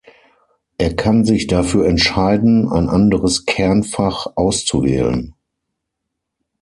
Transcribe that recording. Er kann sich dafür entscheiden, ein anderes Kernfach auszuwählen.